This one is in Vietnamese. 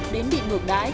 đến bị ngược đái